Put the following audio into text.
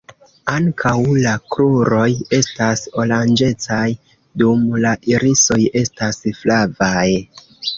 Ankaŭ la kruroj estas oranĝecaj, dum la irisoj estas flavaj.